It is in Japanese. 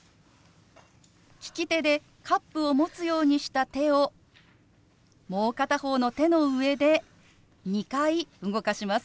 利き手でカップを持つようにした手をもう片方の手の上で２回動かします。